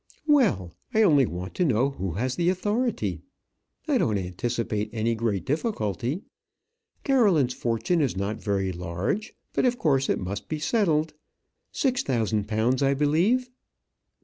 "Well! I only want to know who has the authority. I don't anticipate any great difficulty. Caroline's fortune is not very large; but of course it must be settled. Six thousand pounds, I believe."